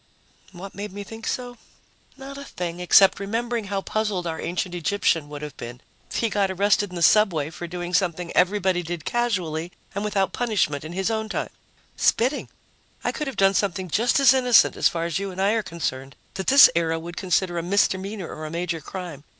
What made me think so? Not a thing except remembering how puzzled our ancient Egyptian would have been if he got arrested in the subway for something everybody did casually and without punishment in his own time spitting! I could have done something just as innocent, as far as you and I are concerned, that this era would consider a misdemeanor or a major crime.